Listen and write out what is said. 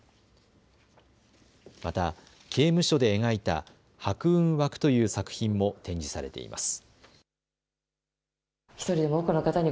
また刑務所で描いた白雲湧くという作品も展示されています。